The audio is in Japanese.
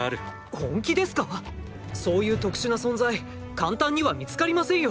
本気ですか⁉そういう特殊な存在簡単には見つかりませんよ。